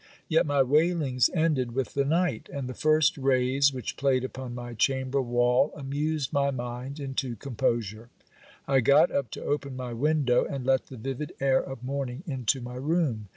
Yet my wailings ended with the night ; and the first rays which played upon my chamber wall amused my mind into composure. I got up to open my window, and let the vivid air of morning into my room.